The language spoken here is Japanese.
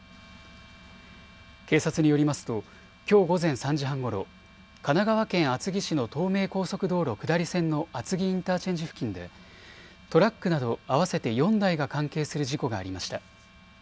警察によりますときょう午前３時半ごろ神奈川県厚木市の東名高速道路下り線の厚木インターチェンジ付近でトラックなど合わせて４台が関係する事故がありました。